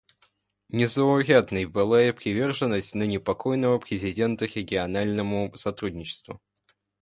Незаурядной была и приверженность ныне покойного президента региональному сотрудничеству.